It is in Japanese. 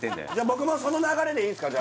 僕もその流れでいいですか？